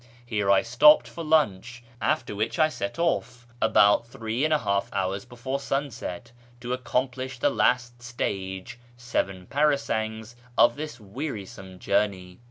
Here I stopped for lunch, after which I set off, about three and a half hours l)efore sunset, to accomplish the last stage (seven parasangs) of this wearisome journey.